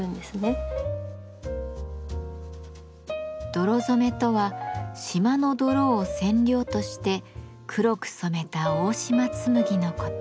泥染めとは島の泥を染料として黒く染めた大島紬のこと。